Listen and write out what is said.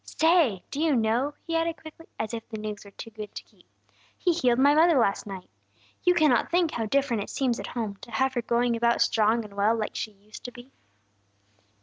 Say! do you know," he added quickly, as if the news were too good to keep, "he healed my mother last night. You cannot think how different it seems at home, to have her going about strong and well like she used to be."